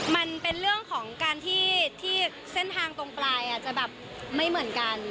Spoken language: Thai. มันเป็นเรื่องของการที่เส้นทางตรงปลายอาจจะแบบไม่เหมือนกัน